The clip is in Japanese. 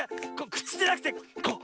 くちじゃなくてこう。